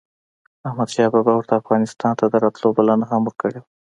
احمد شاه بابا ورته افغانستان ته دَراتلو بلنه هم ورکړې وه